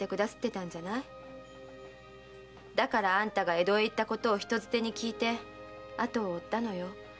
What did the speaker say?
だからあんたが江戸へ行ったと人づてに聞いてあとを追ったの。